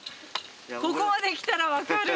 ここまで来たら分かる。